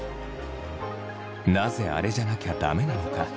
なぜ「あれじゃなきゃ駄目」なのか。